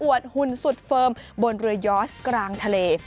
อวดหุ่นสุดเฟิร์มบนเรือย้อกกลางทะเล